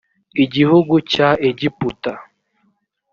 igihugu cya egiputa.